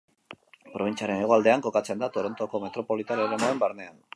Probintziaren hegoaldean kokatzen da, Torontoko metropolitar eremuaren barnean.